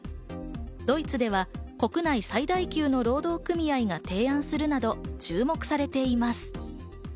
ドイツでは国内最大級の労働組合が提案するなど注目されています。